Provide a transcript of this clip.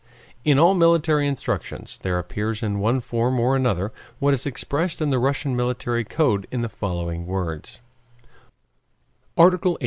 In all military instructions there appears in one form or another what is expressed in the Russian military code in the following words: ARTICLE 87.